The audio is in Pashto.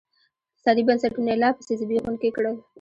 اقتصادي بنسټونه یې لاپسې زبېښونکي کړل.